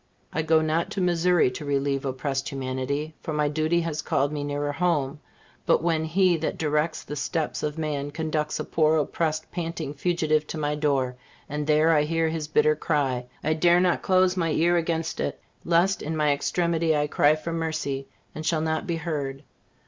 I go not to Missouri to relieve oppressed humanity, for my duty has called me nearer home; but when He that directs the steps of man conducts a poor, oppressed, panting fugitive to my door, and there I hear his bitter cry, I dare not close my ear against it, lest in my extremity I cry for mercy, and shall not be heard.